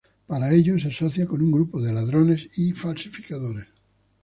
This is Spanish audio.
Para ello se asocia con un grupo de ladrones y falsificadores.